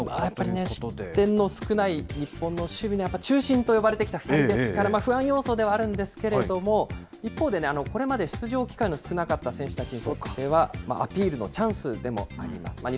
やっぱり、失点の少ない日本の守備の中心と呼ばれてきた２人ですから不安要素ではあるんですけれども、一方で、これまで出場機会の少なかった選手たちにとっては、アピールのチャンスでもあります。